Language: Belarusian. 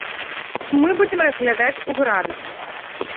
Мы будзем разглядаць у градусах.